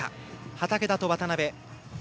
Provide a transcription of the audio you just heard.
畠田と渡部。